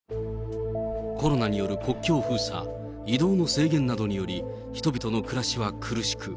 コロナによる国境封鎖、移動の制限などにより、人々の暮らしは苦しく、